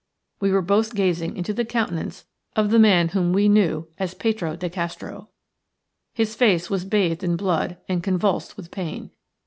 We were both gazing into the countenance of the man whom we knew as Petro de Castro. His face was bathed in blood and convulsed with pain.